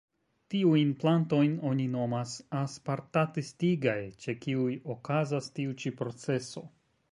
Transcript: Tiujn plantojn oni nomas aspartat-estigaj, ĉe kiuj okazas tiu ĉi proceso.